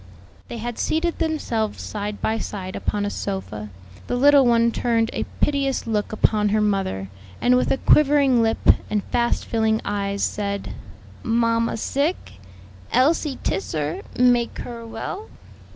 They had seated themselves side by side upon a sofa. The little one turned a piteous look upon her mother, and with a quivering lip and fast filling eyes, said, "Mamma sick? Elsie tiss her, make her well?"